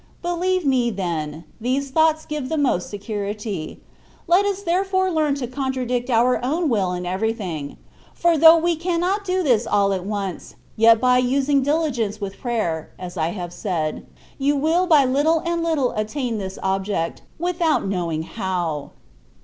Believe me then, these thoughts give the most security ; let us therefore learn to contradict our own will in everything ; for though we cannot do this all at once, yet by using diligence with prayer (as I have said) — you will by little and Uttle attain this object, without knowing how.